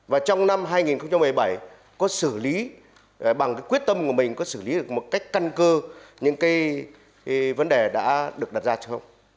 và trong năm hai nghìn một mươi bảy có xử lý bằng cái quyết tâm của mình có xử lý được một cách căn cơ những cái vấn đề đã được đặt ra chưa không